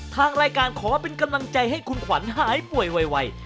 ทางรายการขอเป็นกำลังใจให้คุณขวัญหายป่วยไว